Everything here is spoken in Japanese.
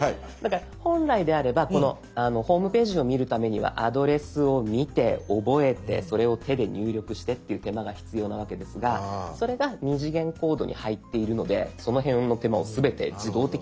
本来であればこのホームページを見るためにはアドレスを見て覚えてそれを手で入力してっていう手間が必要なわけですがそれが２次元コードに入っているのでその辺の手間を全て自動的にやってくれたと。